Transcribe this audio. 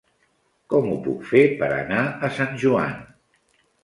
Com ho puc fer per anar a Sant Joan?